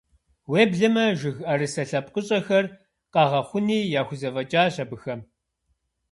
Уеблэмэ, жыг ӏэрысэ лъэпкъыщӏэхэр къагъэхъуни яхузэфӏэкӏащ абыхэм.